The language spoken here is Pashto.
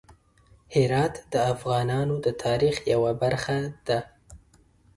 هرات د افغانانو د تاریخ یوه برخه ده.